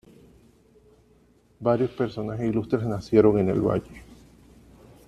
Varios personajes ilustres nacieron en el valle.